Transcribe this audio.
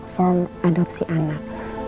form adopsi anak